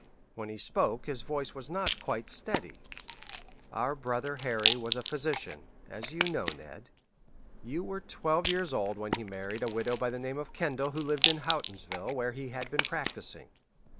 When he spoke his voice was not quite steady. "Our brother Harry was a physician, as you know, Ned. You were twelve years old when he married a widow by the name of Kendall who lived in Houghtonsville where he had been practising.